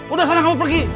udah sana kamu pergi